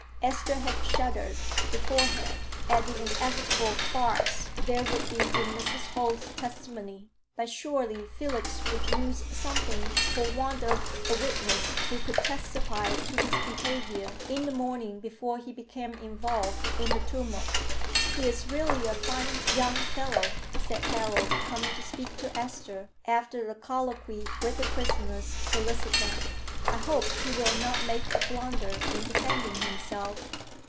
Esther had shuddered beforehand at the inevitable farce there would be in Mrs. Holt's testimony. But surely Felix would lose something for want of a witness who could testify to his behavior in the morning before he became involved in the tumult? "He is really a fine young fellow," said Harold, coming to speak to Esther after a colloquy with the prisoner's solicitor. "I hope he will not make a blunder in defending himself."